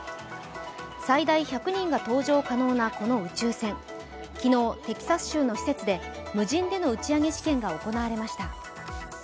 最大１００人が搭乗可能なこの宇宙船昨日、テキサス州の施設で無人での打ち上げ試験が行われました。